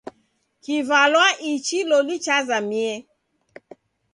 Kivalwa ichi loli chazamie!